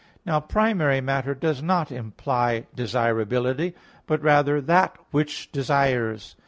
Now primary matter does not imply desirability, but rather that which desires.